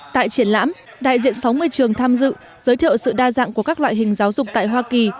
tại triển lãm đại diện sáu mươi trường tham dự giới thiệu sự đa dạng của các loại hình giáo dục tại hoa kỳ